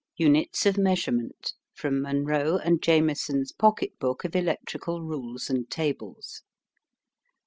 UNITS OF MEASUREMENT. (From Munro and Jamieson's Pocket book of Electrical Rules and Tables).